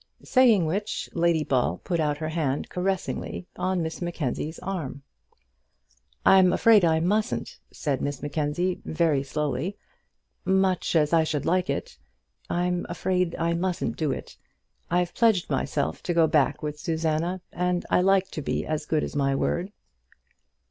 Saying which Lady Ball put out her hand caressingly on Miss Mackenzie's arm. "I'm afraid I mustn't," said Miss Mackenzie, very slowly. "Much as I should like it, I'm afraid I mustn't do it. I've pledged myself to go back with Susanna, and I like to be as good as my word."